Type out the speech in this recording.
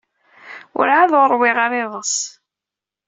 Werɛad ur ṛwiɣ ara iḍes.